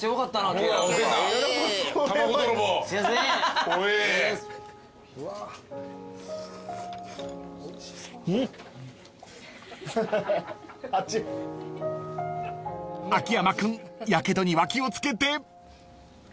［秋山君やけどには気を付けて］